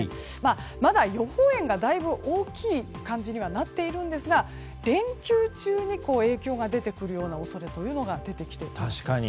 まだ予報円がだいぶ大きい感じになっているんですが連休中に影響が出てくるような恐れが出てきています。